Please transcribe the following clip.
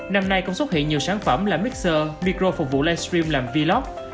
năm nay cũng xuất hiện nhiều sản phẩm là mixer micro phục vụ livestream làm vlog